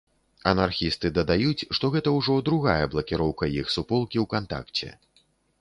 Анархісты дадаюць, што гэта ўжо другая блакіроўка іх суполкі ўкантакце.